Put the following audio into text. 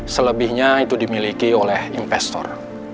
selebihnya itu dimiliki oleh investor